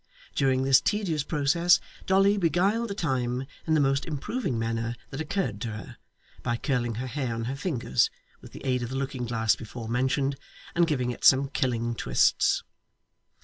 During this tedious process, Dolly beguiled the time in the most improving manner that occurred to her, by curling her hair on her fingers, with the aid of the looking glass before mentioned, and giving it some killing twists.